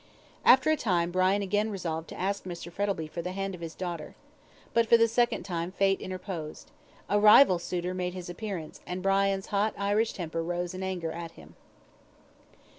After a time Brian again resolved to ask Mr. Frettlby for the hand of his daughter. But for the second time fate interposed. A rival suitor made his appearance, and Brian's hot Irish temper rose in anger at him.